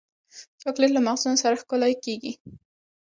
چاکلېټ له مغزونو سره ښکلی کېږي.